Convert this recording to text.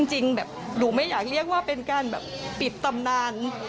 จริงแบบหนูไม่อยากเรียกว่าเป็นการแบบปิดตำนาน